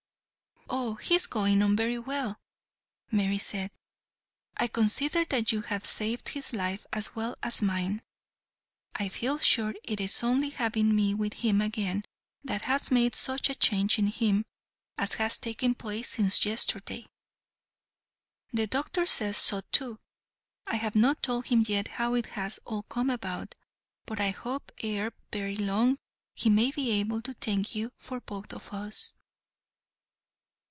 "Oh, he is going on very well," Mary said. "I consider that you have saved his life as well as mine. I feel sure it is only having me with him again that has made such a change in him as has taken place since yesterday. The doctor says so, too. I have not told him yet how it has all come about, but I hope ere very long he may be able to thank you for both of us."